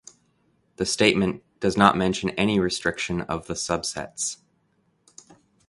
The statement does not mention any restriction of the subsets.